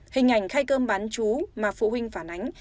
hình ảnh khay cơm bán chú mà phụ huynh phản ánh